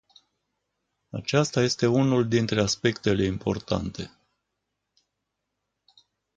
Acesta este unul dintre aspectele importante.